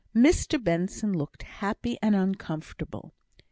Mr Benson looked unhappy and uncomfortable.